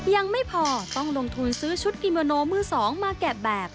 ยังไม่พอต้องลงทุนซื้อชุดกิโมโนมือสองมาแกะแบบ